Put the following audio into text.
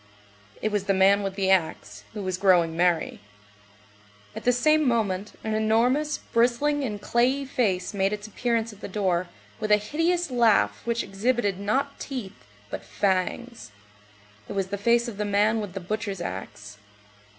It was the man with the axe, who was growing merry. At the same moment, an enormous, bristling, and clayey face made its appearance at the door, with a hideous laugh which exhibited not teeth, but fangs. It was the face of the man with the butcher's axe.